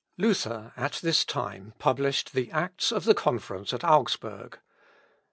Luther at this time published the "Acts of the Conference at Augsburg."